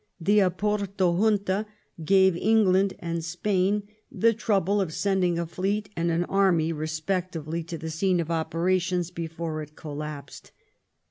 The Oporto Junta gave England and Spain the trouble of sending a fleet and an army respectively to the scene of operations before it collapsed.